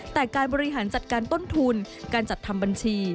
แต่การบริหารจัดการต้นทุนการจัดทำบัญชี